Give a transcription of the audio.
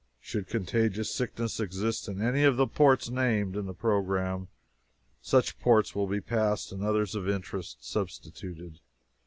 Should contagious sickness exist in any of the ports named in the program, such ports will be passed, and others of interest substituted.